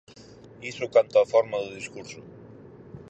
Iso canto á forma do discurso.